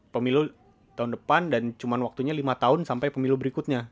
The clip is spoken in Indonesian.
pemilu tahun depan dan cuma waktunya lima tahun sampai pemilu berikutnya